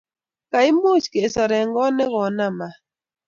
Koimuch kesor eng' kot ne konam maat.